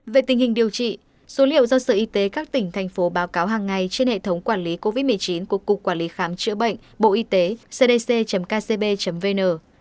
về tình hình điều trị số liệu do sở y tế các tỉnh thành phố báo cáo hàng ngày trên hệ thống quản lý covid một mươi chín của cục quản lý khám chữa bệnh bộ y tế cdc kcb vn